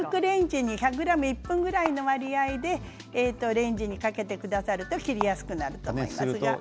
１００ｇ１分ぐらいの割合でレンジにかけてくださると切りやすくなると思います。